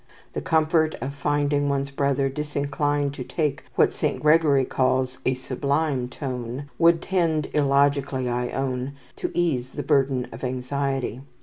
The comfort of finding one's brother disinclined to take what Saint Gregory calls "a sublime tone" would tend illogically, I own, to ease the burden of anxiety.